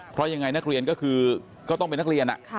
เพราะยังไงนักเรียนก็คือก็ต้องเป็นนักเรียน